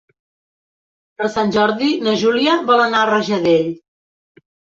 Per Sant Jordi na Júlia vol anar a Rajadell.